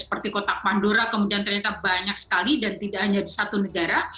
seperti kotak pandora kemudian ternyata banyak sekali dan tidak hanya di satu negara